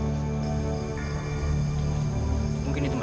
dia mungkin ada teteh